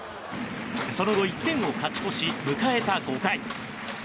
その後１点を勝ち越し迎えた５回。